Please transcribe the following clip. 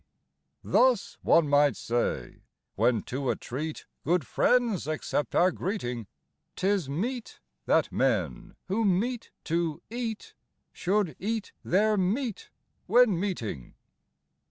Thus, one might say, when to a treat good friends accept our greeting, 'Tis meet that men who meet to eat should eat their meat when meeting.